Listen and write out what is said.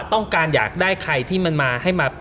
ต้องการอยากได้ใครที่มันมาให้มา